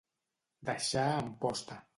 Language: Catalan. Deixar en posta.